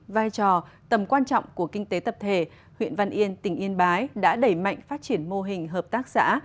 vai trò tầm quan trọng của kinh tế tập thể huyện văn yên tỉnh yên bái đã đẩy mạnh phát triển mô hình hợp tác xã